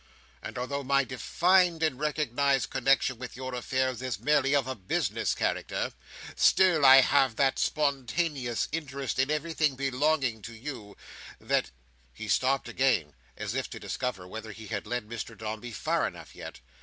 And although my defined and recognised connexion with your affairs is merely of a business character, still I have that spontaneous interest in everything belonging to you, that—" He stopped again, as if to discover whether he had led Mr Dombey far enough yet.